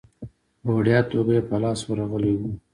په وړیا توګه یې په لاس ورغلی وو.